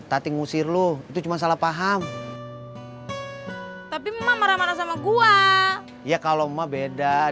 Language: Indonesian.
tadi ngusir lu itu cuma salah paham tapi mama marah sama gua ya kalau ma beda dia